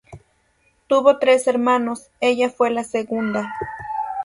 Tuvo tres hermanos, ella fue la segunda.